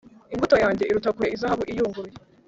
imbuto yanjye iruta kure zahabu iyunguruye